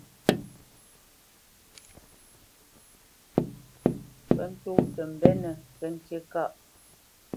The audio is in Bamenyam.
Ŋkə́ ntó tə mbə́nə ŋkə ŋge ntí ŋkâʼ.